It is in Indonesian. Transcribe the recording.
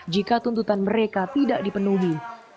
jika tuntutan mereka tidak dipenuhi